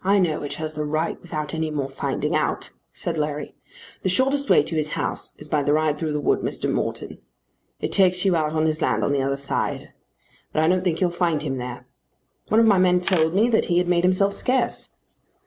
"I know which has the right without any more finding out," said Larry. "The shortest way to his house is by the ride through the wood, Mr. Morton. It takes you out on his land on the other side. But I don't think you'll find him there. One of my men told me that he had made himself scarce."